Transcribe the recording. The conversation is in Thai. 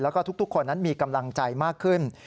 แล้วก็ทุกคนนั้นมีกำลังใจมากขึ้น